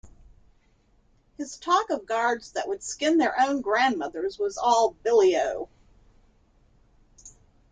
His talk of guards that would skin their own grandmothers was all billy-o.